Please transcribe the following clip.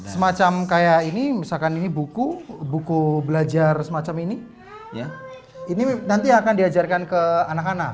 semacam kayak ini misalkan ini buku buku belajar semacam ini ini nanti akan diajarkan ke anak anak